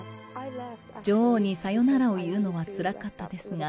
女王にさよならを言うのはつらかったですが、